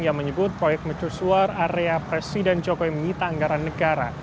ia menyebut proyek mecusuar area presiden jokowi menyita anggaran negara